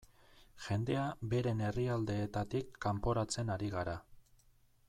Jendea beren herrialdeetatik kanporatzen ari gara.